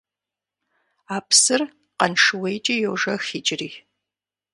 А псыр Къаншыуейкӏи йожэх иджыри.